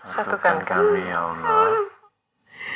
satukan kami ya allah